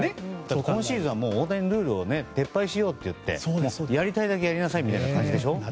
このシーズンは大谷のルールを撤廃しようといってやりたいだけやりなさいみたいな感じでしょ。